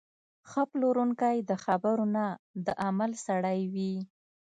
ښه پلورونکی د خبرو نه، د عمل سړی وي.